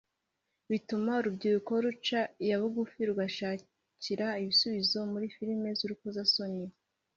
bituma urubyiruko ruca iya bugufi rugashakira ibisubizo muri filimi z’urukozasoni